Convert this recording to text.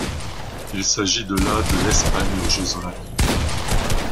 Il s'agit de la de l'Espagne aux Jeux olympiques.